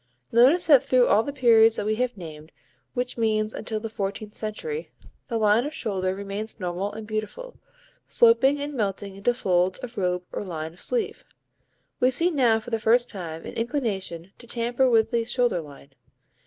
Notice that through all the periods that we have named, which means until the fourteenth century, the line of shoulder remains normal and beautiful, sloping and melting into folds of robe or line of sleeve. We see now for the first time an inclination to tamper with the shoulder line.